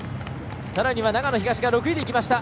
さらには長野東が６位できました。